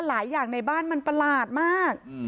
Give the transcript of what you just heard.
หลายอย่างในบ้านมันประหลาดมาก